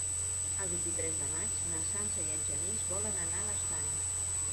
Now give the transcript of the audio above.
El vint-i-tres de maig na Sança i en Genís volen anar a l'Estany.